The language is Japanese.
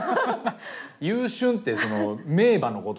「優駿」ってその名馬のこと